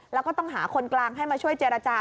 แล้วก็ต้องหาคนกลางให้มาช่วยเจรจา